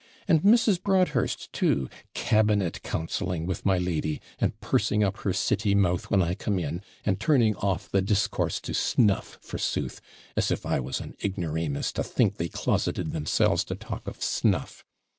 And Mrs. Broadhurst, too, cabinet councilling with my lady, and pursing up her city mouth when I come in, and turning off the discourse to snuff, forsooth; as if I was an ignoramus, to think they closeted themselves to talk of snuff.